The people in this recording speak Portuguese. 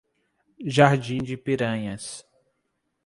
Jardim de Piranhas